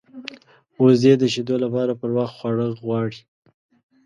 وزې د شیدو لپاره پر وخت خواړه غواړي